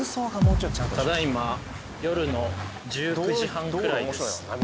ただ今夜の１９時半くらいです